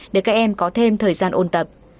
để các em có thêm thời gian ôn tập